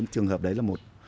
trường hợp đấy là một